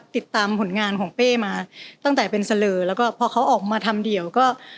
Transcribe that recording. ติดตามผลงานของเป้มาตั้งแต่เป็นเสลอแล้วก็พอเขาออกมาทำเดี่ยวก็